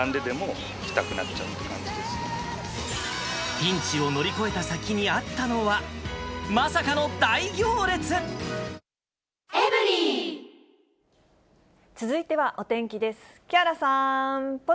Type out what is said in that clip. ピンチを乗り越えた先にあっ続いてはお天気です。